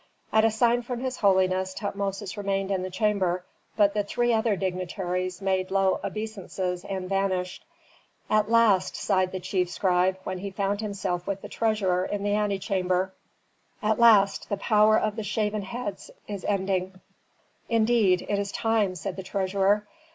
At a sign from his holiness Tutmosis remained in the chamber, but the three other dignitaries made low obeisances and vanished. "At last!" sighed the chief scribe, when he found himself with the treasurer in the antechamber, "at last the power of the shaven heads is ending." "Indeed it is time," said the treasurer.